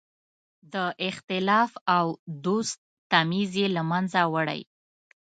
د اختلاف او دوست تمیز یې له منځه وړی.